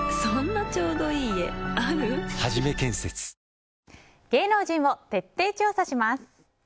わかるぞ芸能人を徹底調査します。